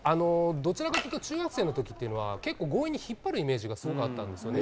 どちらかというと、中学生のときっていうのは、結構、強引に引っ張るイメージがすごくあったんですよね。